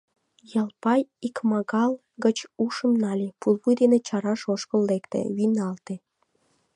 Ялпай икмагал гыч ушым нале, пулвуй дене чараш ошкыл лекте, вийналте.